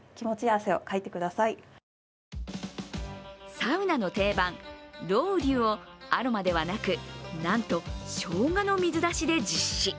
サウナの定番、ロウリュをアロマではなく、なんとしょうがの水だしで実施。